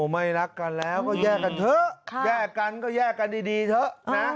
ไม่รักกันแล้วก็แยกกันเถอะแยกกันก็แยกกันดีเถอะนะ